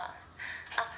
あっ。